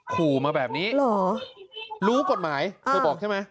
ขู่มาแบบนี้เหรอรู้กฎหมายเธอบอกใช่ไหม